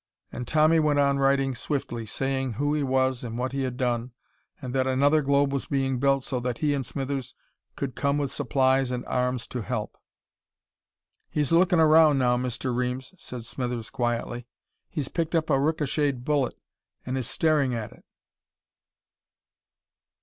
And Tommy went on writing swiftly, saying who he was and what he had done, and that another globe was being built so that he and Smithers could come with supplies and arms to help.... "He's lookin'' around now, Mr. Reames," said Smithers quietly. "He's picked up a ricocheted bullet an' is staring at it."